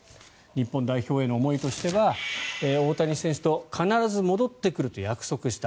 日本代表への思いとしては大谷選手と必ず戻ってくると約束した。